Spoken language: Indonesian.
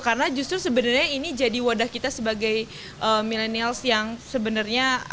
karena justru sebenarnya ini jadi wadah kita sebagai millennials yang sebenarnya